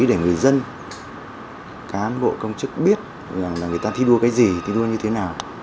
để người dân cán bộ công chức biết là người ta thi đua cái gì thi đua như thế nào